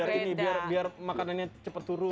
biar ini biar makanannya cepat turun